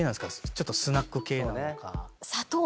ちょっとスナック系なのか。